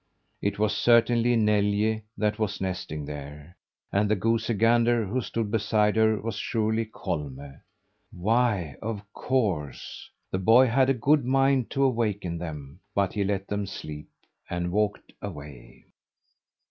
It was certainly Neljä that was nesting there, and the goosey gander who stood beside her was surely Kolme. Why, of course! The boy had a good mind to awaken them, but he let them sleep on, and walked away.